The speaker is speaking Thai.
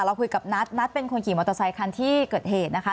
เราคุยกับนัทนัทเป็นคนขี่มอเตอร์ไซคันที่เกิดเหตุนะคะ